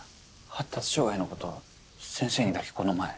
発達障害のこと先生にだけこの前。